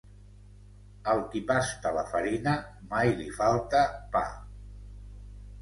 Al qui pasta la farina mai li falta pa.